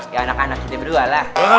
ya anak anak sudah berdua lah